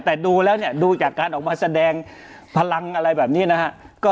แต่ดูแล้วเนี่ยดูจากการออกมาแสดงพลังอะไรแบบนี้นะฮะ